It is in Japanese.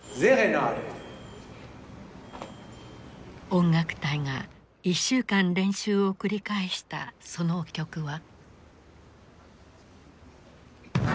音楽隊が１週間練習を繰り返したその曲は。